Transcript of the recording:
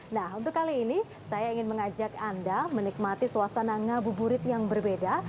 nah untuk kali ini saya ingin mengajak anda menikmati suasana ngabuburit yang berbeda